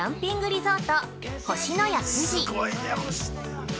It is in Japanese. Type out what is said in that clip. リゾート星のや富士。